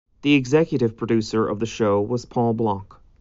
The executive producer of the show was Paul Block.